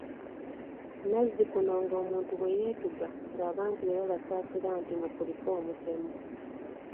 Nazzikuno nga omuntu bwe yeetuga nga abantu be babasaasira nti mukulike omutemu.